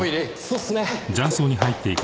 そうっすね。